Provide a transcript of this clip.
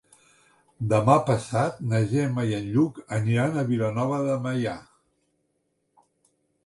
Demà passat na Gemma i en Lluc aniran a Vilanova de Meià.